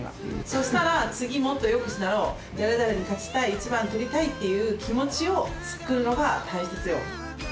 そうしたら次、もっとよくなろう、誰々に勝ちたい、１番とりたいっていう気持ちを作るのが大切よ。